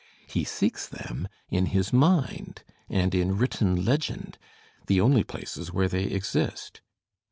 He seeks them in his mind and in written legend, the only places where they exist.